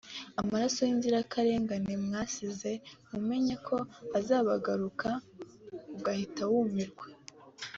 ”Amaraso y’inzirakarengane mwasize mumennye azabagaruka” ugahita wumirwa